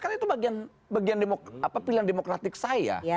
kan itu bagian pilihan demokratik saya